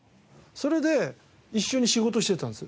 それで一緒に仕事してたんですよ